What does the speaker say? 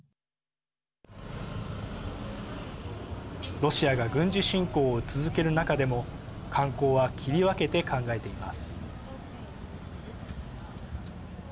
ロシアが軍事侵攻を続ける中でも観光は切り分けて考えています。